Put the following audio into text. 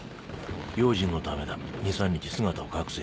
用心のためだ２３日姿を隠せ